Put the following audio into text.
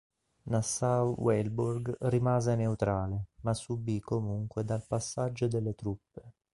Nassau-Weilburg rimase neutrale, ma subì comunque dal passaggio delle truppe.